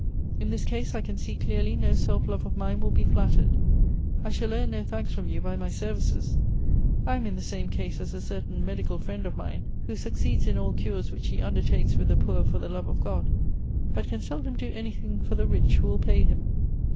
In this case I can see clearly no self love of mine will be flattered. I shall earn no thanks from you by my services ; I am in the same case as a certain medical friend of mine, who suc ceeds in all cures which he undertakes with the poor for the love of God ; but can seldom do anything for the rich who will pay him.